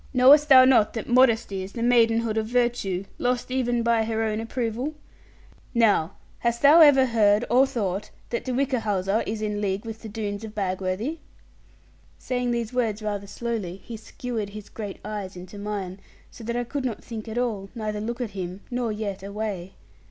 Knowest thou not that modesty is the maidenhood of virtue, lost even by her own approval? Now hast thou ever heard or thought that De Whichehalse is in league with the Doones of Bagworthy?' Saying these words rather slowly, he skewered his great eyes into mine, so that I could not think at all, neither look at him, nor yet away.